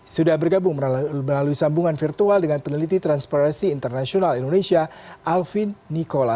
sudah bergabung melalui sambungan virtual dengan peneliti transparansi internasional indonesia alvin nikola